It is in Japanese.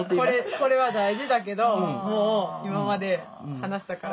これは大事だけどもう今まで話したから。